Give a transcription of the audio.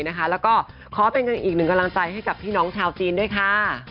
แล้วก็ขอเป็นอีกหนึ่งกำลังใจให้กับพี่น้องชาวจีนด้วยค่ะ